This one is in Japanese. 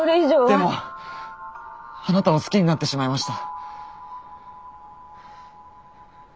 でもあなたを好きになってしまいました。